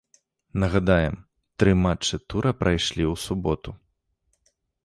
Нагадаем, тры матчы тура прайшлі ў суботу.